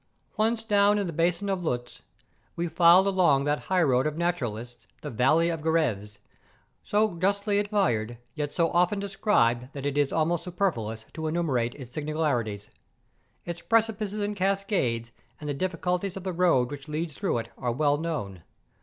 Once down in the basin of Luz, we filed along that highroad of naturalists, the Valley of Gevres, so justly admired, yet so often described that it is almost superfluous to enumerate its singularities. Its precipices and cascades, and the difficulty of the road which leads through it are well known.